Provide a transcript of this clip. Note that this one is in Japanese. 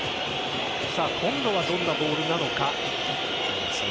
今度は、どんなボールなのか。